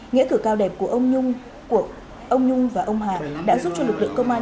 nghĩa cử cao đẹp của ông nhung và ông hà đã giúp cho lực lượng công an